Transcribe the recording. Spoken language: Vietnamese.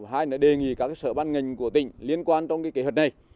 hai nữa đề nghị các sở ban ngành của tỉnh liên quan trong cái kế hoạch này